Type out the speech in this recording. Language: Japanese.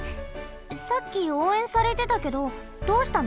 さっきおうえんされてたけどどうしたの？